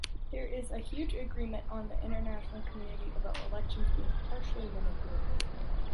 There is a huge agreement on the international community about elections being “partially” manipulated.